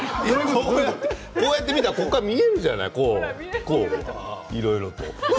こうやって見たら見えるじゃないいろいろと。